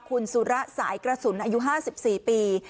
คุณสุระสายกระสุนอายุ๕๔ปี